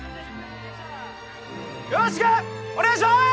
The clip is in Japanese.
よろしくお願いします！